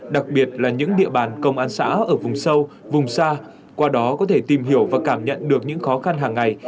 đặc biệt là những địa bàn công an xã ở vùng sâu vùng xa qua đó có thể tìm hiểu và cảm nhận được những khó khăn hàng ngày